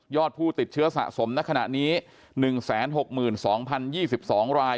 ผู้ติดเชื้อสะสมในขณะนี้๑๖๒๐๒๒ราย